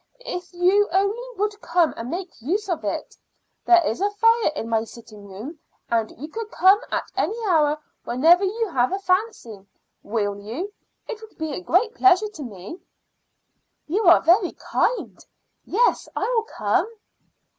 If you only would come and make use of it. There is a fire in my sitting room, and you could come at any hour whenever you have a fancy. Will you? It would be a great pleasure to me." "You are very kind. Yes, I will come."